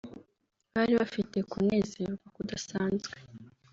Bari bafite kunezerwa kudasanzwe